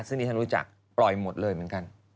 ซึ่งที่ท่านรู้จักปล่อยหมดเลยเหมือนกัน